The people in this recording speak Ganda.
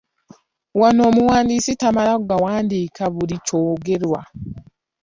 Wano omuwandiisi tamala gawandiika buli kyogerwa.